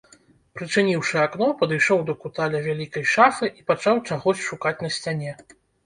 Прычыніўшы акно, падышоў да кута каля вялікай шафы і пачаў чагось шукаць на сцяне.